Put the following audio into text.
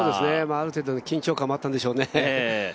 ある程度、緊張感もあったんでしょうね。